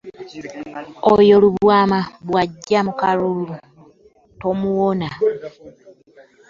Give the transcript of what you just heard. Oyo Lubwama bw'ajja mu kalulu tomuwona.